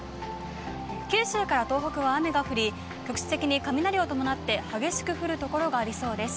九州から東北は雨が降り、局地的に雷を伴って激しく降る所がありそうです。